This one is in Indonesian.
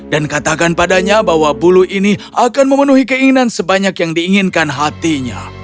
dan katakan padanya bahwa bulu ini akan memenuhi keinginan sebanyak yang diinginkan hatinya